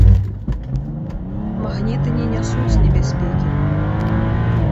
Магніты не нясуць небяспекі!